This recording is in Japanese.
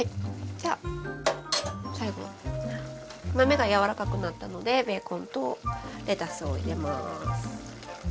じゃあ最後豆がやわらかくなったのでベーコンとレタスを入れます。